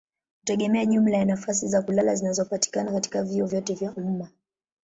hutegemea jumla ya nafasi za kulala zinazopatikana katika vyuo vyote vya umma.